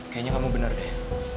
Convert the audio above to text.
kayaknya kamu bener deh